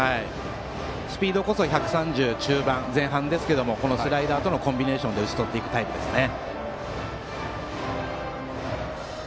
スピードこそ１３０中盤ですがスライダーとのコンビネーションで打ち取っていくタイプですね。